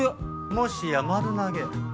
もしや丸投げ。